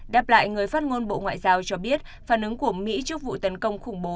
đáp lại người phát ngôn bộ ngoại giao cho biết phản ứng của mỹ trước vụ tấn công khủng bố